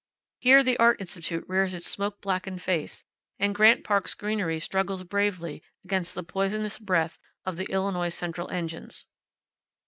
Here the Art Institute rears its smoke blackened face, and Grant Park's greenery struggles bravely against the poisonous breath of the Illinois Central engines.